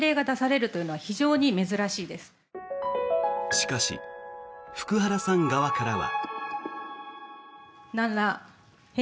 しかし福原さん側からは。